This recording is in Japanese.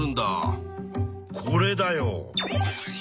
これだよ。